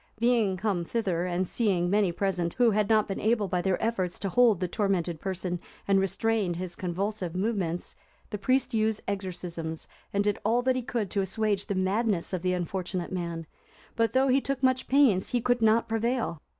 Being come thither, and seeing many present, who had not been able, by their efforts, to hold the tormented person and restrain his convulsive movements, the priest used exorcisms, and did all that he could to assuage the madness of the unfortunate man, but, though he took much pains, he could not prevail.